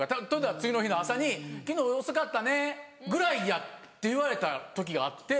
次の日の朝に「昨日遅かったね」ぐらいや言われた時があって。